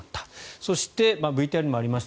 そして、ＶＴＲにもありました